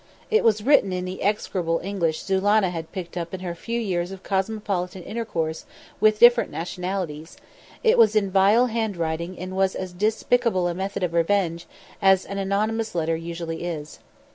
It was written in the execrable English Zulannah had picked up in her few years of cosmopolitan intercourse with different nationalities; it was in vile hand writing and was as despicable a method of revenge as an anonymous letter usually is.